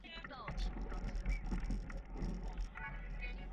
近点年也比回归年长。